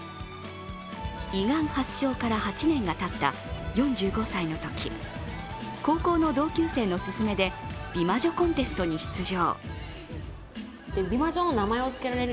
胃がん発症から８年がたった４５歳のとき高校の同級生のすすめで美魔女コンテストに出場。